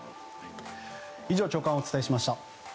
以上朝刊をお伝えしました。